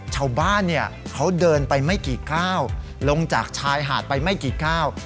ชาวบ้านเนี่ยเขาเดินไปไม่กี่ก้าวลงจากชายหาดไปไม่กี่ก้าว